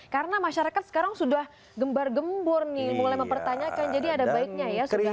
karena masyarakat sekarang sudah gembar gembur nih mulai mempertanyakan